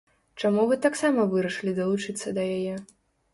Чаму вы таксама вырашылі далучыцца да яе?